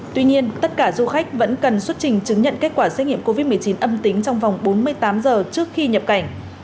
tuy nhiên tất cả du khách vẫn cần xuất trình chứng nhận kết quả xét nghiệm covid một mươi chín âm tính trong vòng bốn mươi tám giờ trước khi nhập cảnh